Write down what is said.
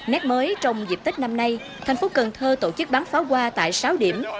nét mới trong dịp tết năm nay thành phố cần thơ tổ chức bắn pháo hoa tại sáu điểm